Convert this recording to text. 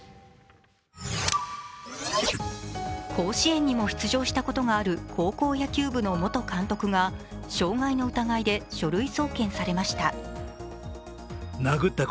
甲子園にも出場したことがある高校野球部の元監督が傷害の疑いで書類送検されました。